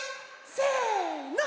せの！